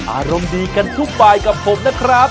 อารมณ์ดีกันทุกบายกับผมนะครับ